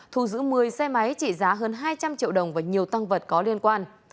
thu giữ một mươi xe máy trị giá hơn hai trăm linh triệu đồng và nhiều tăng vật có liên quan